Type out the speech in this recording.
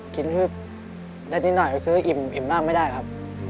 ฮึบได้นิดหน่อยก็คืออิ่มบ้างไม่ได้ครับ